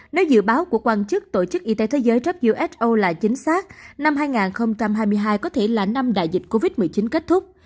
nếu dự báo của quan chức tổ chức y tế thế giới who là chính xác năm hai nghìn hai mươi hai có thể là năm đại dịch covid một mươi chín kết thúc